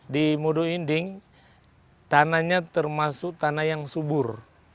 di modo inding tanahnya termasuk tanah yang subur